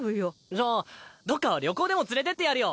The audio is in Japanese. じゃあどっか旅行でも連れてってやるよ。